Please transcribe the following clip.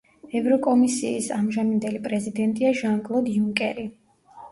ევროკომისიის ამჟამინდელი პრეზიდენტია ჟან-კლოდ იუნკერი.